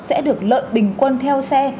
sẽ được lợi bình quân theo xe